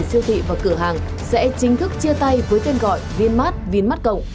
ba siêu thị và cửa hàng sẽ chính thức chia tay với tên gọi winmart winmart cộng